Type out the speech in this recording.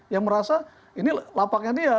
yang merasa ini lapaknya dia